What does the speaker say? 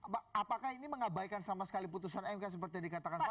pak apakah ini mengabaikan sama sekali putusan mk seperti yang dikatakan pak